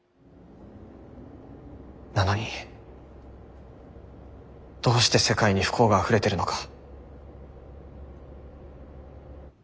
なのにどうして世界に不幸があふれてるのか。